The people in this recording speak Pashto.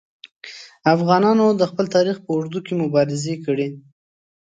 افغانانو د خپل تاریخ په اوږدو کې مبارزې کړي.